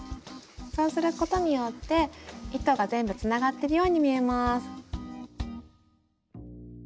そうすることによって糸が全部つながってるように見えます。